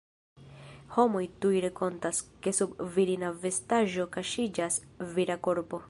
Homoj tuj rekonas, ke sub virina vestaĵo kaŝiĝas vira korpo.